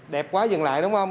đẹp quá dừng lại đúng không